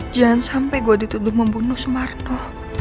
jangan sampai gue dituduh membunuh sumarno